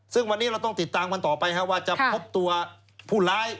ซึ่งวันนี้เราต้องติดตามกันต่อไปว่าจะพบตัวผู้ร้าย